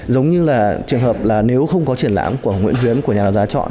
giống như là trường hợp là nếu không có triển lãm của nguyễn huyến của nhà đấu giá chọn